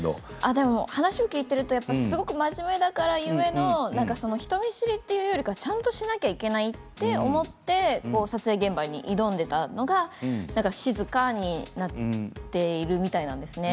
でも話を聞いていると真面目だから故の人見知りというかちゃんとしなければいけないと思って撮影現場に挑んでいたのが静かになっているみたいなんですね。